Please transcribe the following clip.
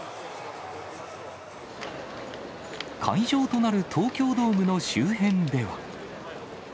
会場となる東京ドームの周辺では。